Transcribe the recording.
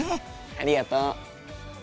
ありがとう。